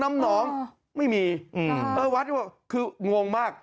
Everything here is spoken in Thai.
ไม่มีวัดก็คืองงมาก